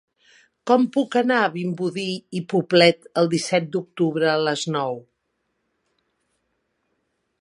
Com puc anar a Vimbodí i Poblet el disset d'octubre a les nou?